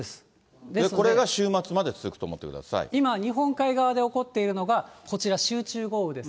これが週末まで続くと思って今、日本海側で起こっているのがこちら、集中豪雨です。